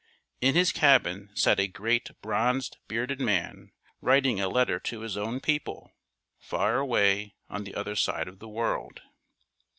In his cabin sat a great bronzed bearded man writing a letter to his own people far away on the other side of the world.